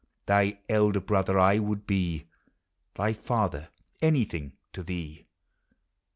. Thy elder brother 1 would be, Thy father,— anything to thee.